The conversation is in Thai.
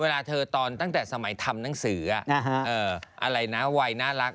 เวลาเธอตอนตั้งแต่สมัยทำหนังสืออะไรนะวัยน่ารัก